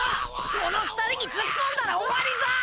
この２人にツッコんだら終わりだ！！